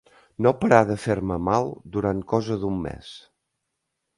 No parà de fer-me mal durant cosa d'un mes